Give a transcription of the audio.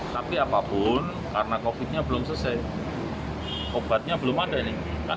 tapi apapun karena covid nya belum selesai obatnya belum ada ini